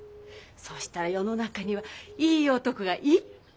そうしたら世の中にはいい男がいっぱい！